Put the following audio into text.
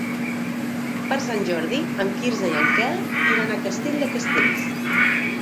Per Sant Jordi en Quirze i en Quel iran a Castell de Castells.